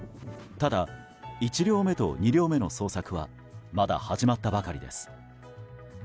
ただ、１両目と２両目の捜索はまだ始まったばかりです。